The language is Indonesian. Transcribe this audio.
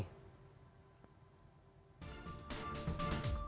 terima kasih pak faisal